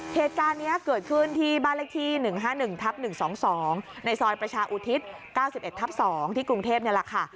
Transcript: เหตุการณ์นี้เกิดขึ้นที่บ้านเลขที่๑๕๑ทับ๑๒๒ในซอยประชาอุทิศ๙๑ทับ๒ที่กรุงเทพนี่แหละค่ะ